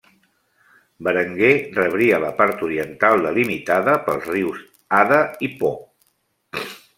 Berenguer rebria la part oriental delimitada pels rius Adda i Po.